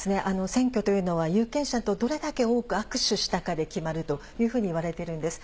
選挙というのは、有権者とどれだけ多く握手したかで決まるというふうにいわれているんです。